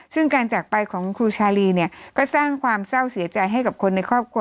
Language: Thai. ซึ่งการจากไปของครูชาลีเนี่ยก็สร้างความเศร้าเสียใจให้กับคนในครอบครัว